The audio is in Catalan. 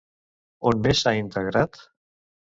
On més s'ha integrat?